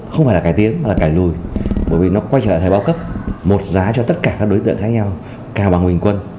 không phải là cải tiến mà là cải lùi bởi vì nó quay trở lại thời bao cấp một giá cho tất cả các đối tượng khác nhau cao bằng bình quân